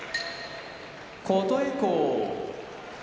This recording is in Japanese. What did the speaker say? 琴恵光